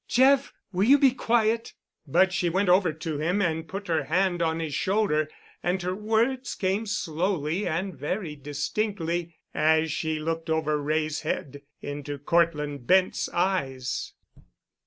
"Jeff, will you be quiet?" But she went over to him and put her hand on his shoulder, and her words came slowly and very distinctly, as she looked over Wray's head into Cortland Bent's eyes.